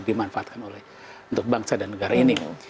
dimanfaatkan oleh untuk bangsa dan negara ini